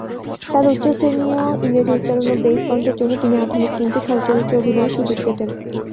তার উচ্চ শ্রেণীয় ইংরেজি উচ্চারণ ও বেজ কণ্ঠের জন্য তিনি আধুনিক কিন্তু খলচরিত্রে অভিনয়ের সুযোগ পেতেন।